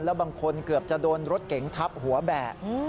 แล้วบางคนคือจะคนลดเข็งทับหัวแบก